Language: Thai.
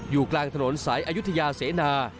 อยู่กลางถนนสายอายุทยาเสนา